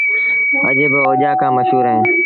اڄ با اُجآڳآ مشهور اهي